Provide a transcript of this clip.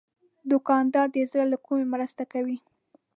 دوکاندار د زړه له کومي مرسته کوي.